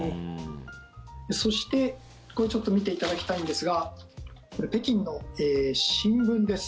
そして、これちょっと見ていただきたいんですがこれ、北京の新聞です。